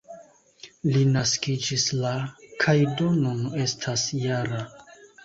Li naskiĝis la kaj do nun estas -jara.